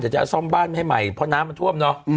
จะซ่อมบ้านให้ใหม่เพราะน้ำมันท่วมเนอะ